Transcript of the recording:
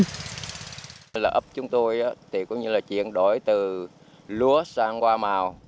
nó là ấp chúng tôi cũng như là chuyển đổi từ lúa sang hoa màu